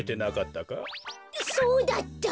そうだった！